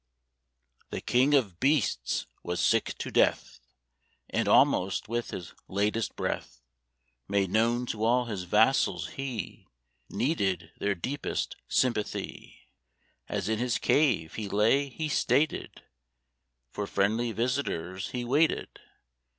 The King of Beasts was sick to death, And, almost with his latest breath, Made known to all his vassals he Needed their deepest sympathy. As in his cave he lay, he stated, For friendly visitors he waited.